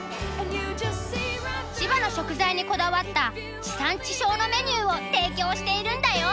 千葉の食材にこだわった地産地消のメニューを提供しているんだよ。